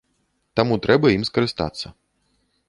Таму трэба ім скарыстацца.